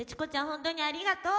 本当にありがとう。